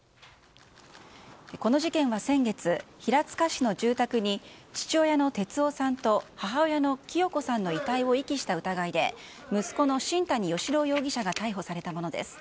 この事件は先月、平塚市の住宅に父親の哲男さんと母親の清子さんの遺体を遺棄した疑いで息子の新谷嘉朗容疑者が逮捕されたものです。